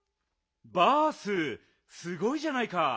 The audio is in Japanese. バースすごいじゃないか。